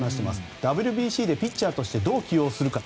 ＷＢＣでピッチャーとしてどう起用するか。